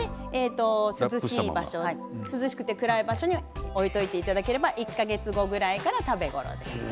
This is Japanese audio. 涼しくて暗い場所に置いておいていただければ１か月後くらいから食べ頃です。